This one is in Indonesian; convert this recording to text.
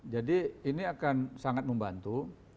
jadi ini akan sangat membantu